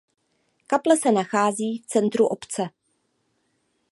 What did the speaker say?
Kaple se nachází v centru obce.